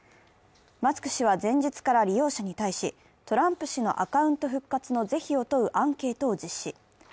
マスク氏は前日から利用者に対し、トランプ氏のアカウント復活の是非を問うアンケートを実施。